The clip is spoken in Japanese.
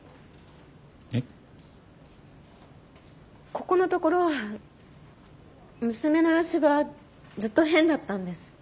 ここのところ娘の様子がずっと変だったんです。